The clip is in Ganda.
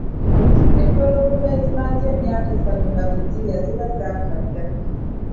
Empologoma ezimaze emyaka esatu nga tezirya ziba zaafa dda.